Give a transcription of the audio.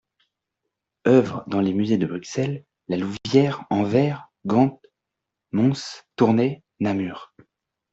Œuvres dans les musées de Bruxelles, La Louvière, Anvers, Gand, Mons, Tournai, Namur.